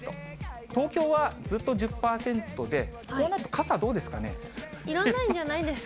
東京はずっと１０％で、こうなるいらないんじゃないですかね。